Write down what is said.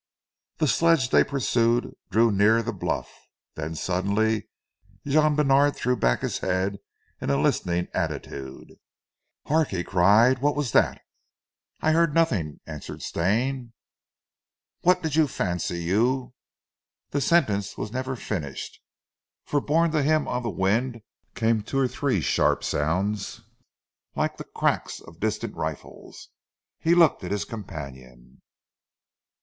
The sledge they pursued drew nearer the bluff, then suddenly Jean Bènard threw back his head in a listening attitude. "Hark!" he cried: "what was dat?" "I heard nothing," answered Stane. "What did you fancy you " The sentence was never finished, for borne to him on the wind came two or three sharp sounds like the cracks of distant rifles. He looked at his companion.